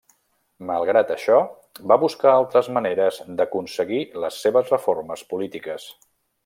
Malgrat això, va buscar altres maneres d'aconseguir les seves reformes polítiques.